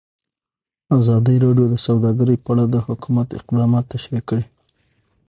ازادي راډیو د سوداګري په اړه د حکومت اقدامات تشریح کړي.